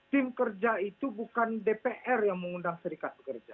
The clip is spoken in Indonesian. tim kerja itu bukan dpr yang mengundang serikat pekerja